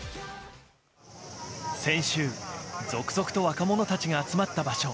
先週、続々と若者たちが集まった場所。